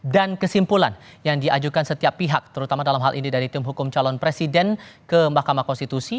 dan kesimpulan yang diajukan setiap pihak terutama dalam hal ini dari tim hukum calon presiden ke mahkamah konstitusi